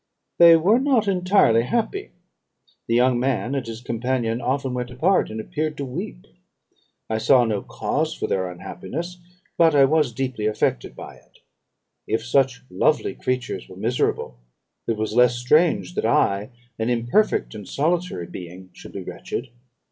"They were not entirely happy. The young man and his companion often went apart, and appeared to weep. I saw no cause for their unhappiness; but I was deeply affected by it. If such lovely creatures were miserable, it was less strange that I, an imperfect and solitary being, should be wretched.